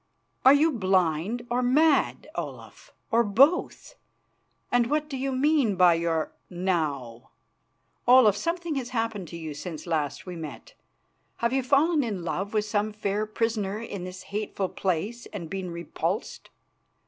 Are you blind or mad, Olaf, or both? And what do you mean by your 'now'? Olaf, something has happened to you since last we met. Have you fallen in love with some fair prisoner in this hateful place and been repulsed?